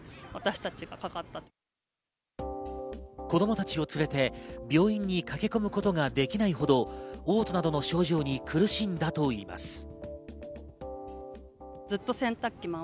子供たちを連れて病院に駆け込むことができないほど、おう吐などの症状に苦しんだといいます。